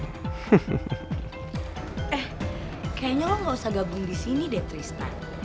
eh kayaknya lu gak usah gabung disini deh tristan